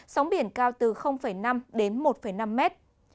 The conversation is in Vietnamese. sóng biển cao từ năm đến một năm mét